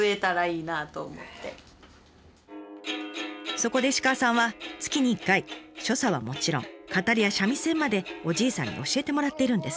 そこで石川さんは月に一回所作はもちろん語りや三味線までおじいさんに教えてもらっているんです。